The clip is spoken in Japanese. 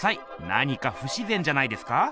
何かふしぜんじゃないですか？